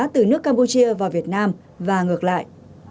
từ nước campuchia vào việt nam và ngược lại